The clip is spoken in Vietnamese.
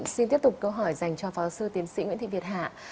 xin tiếp tục câu hỏi dành cho phó sư tiến sĩ nguyễn thị việt hà